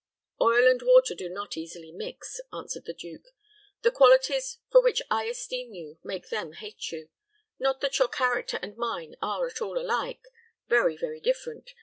"Oil and water do not easily mix," answered the duke. "The qualities for which I esteem you make them hate you; not that your character and mine are at all alike very, very different.